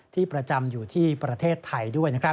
ที่ประจำอยู่ที่ประเทศไทยด้วย